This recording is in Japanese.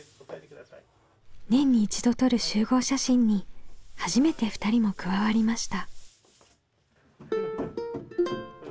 年に一度撮る集合写真に初めて２人も加わりました。